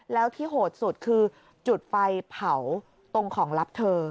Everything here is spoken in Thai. แล้วที่โหดสุดคือจุดไฟเผาตรงของลับเธอ